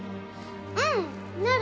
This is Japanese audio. うん！なる